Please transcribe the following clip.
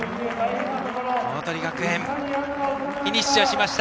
鵬学園フィニッシュしました。